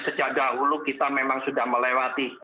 sejak dahulu kita memang sudah melewati